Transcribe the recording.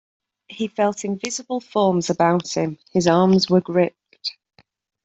He felt invisible forms about him; his arms were gripped.